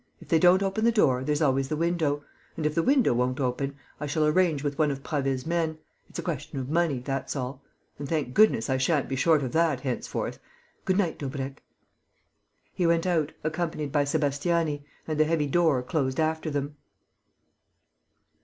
If they don't open the door, there's always the window. And, if the window won't open, I shall arrange with one of Prasville's men. It's a question of money, that's all. And, thank goodness, I shan't be short of that, henceforth! Good night, Daubrecq." He went out, accompanied by Sébastiani, and the heavy door closed after them.